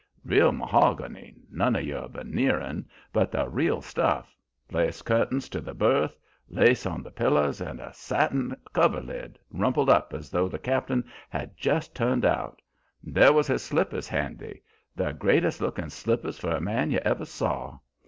Real mahogany, none of your veneerin', but the real stuff; lace curt'ins to the berth, lace on the pillows, and a satin coverlid, rumpled up as though the cap'n had just turned out; and there was his slippers handy the greatest lookin' slippers for a man you ever saw.